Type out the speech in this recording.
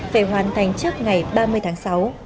phải hoàn thành trước ngày ba mươi tháng sáu